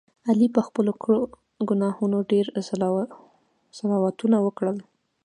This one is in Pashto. علي په خپلو کړو ګناهونو ډېر صلواتونه وکړل.